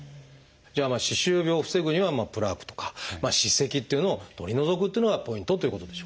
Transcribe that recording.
じゃあ歯周病を防ぐにはプラークとか歯石というのを取り除くっていうのがポイントということでしょうかね。